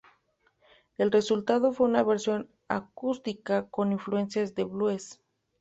El resultado fue una versión acústica, con influencias de Blues.